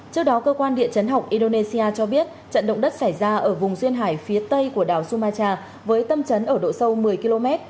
trước đó cơ quan địa chấn học indonesia cho biết trận động đất xảy ra ở vùng duyên hải phía tây của đảo sumatra với tâm trấn ở độ sâu một mươi km